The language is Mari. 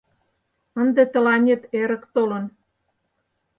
— Ынде тыланет эрык толын...